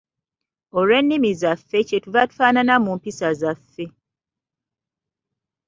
Olw'ennimi zaffe, kyetuva tufaanana mu mpisa zaffe.